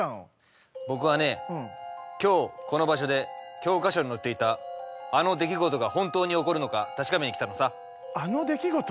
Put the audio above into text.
僕はね今日この場所で教科書に載っていたあの出来事が本当に起こるのか確かめに来たのさ。「あの出来事」？